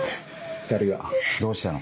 ２人はどうしたの？